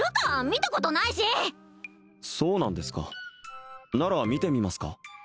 見たことないしそうなんですかなら見てみますか？